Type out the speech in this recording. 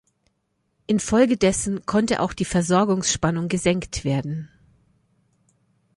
Infolgedessen konnte auch die Versorgungsspannung gesenkt werden.